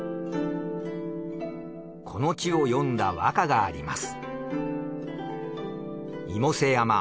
この地を詠んだ和歌があります。